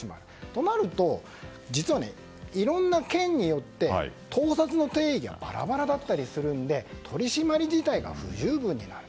となると実はいろんな県によって盗撮の定義がバラバラだったりするので取り締まり自体が不十分になる。